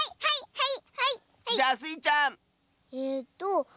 はい。